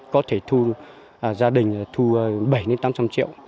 có thể thu gia đình thu bảy tám trăm linh triệu